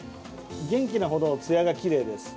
元気なほど、つやがきれいです。